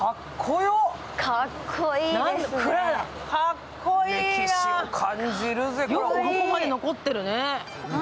よくここまで残ってるね。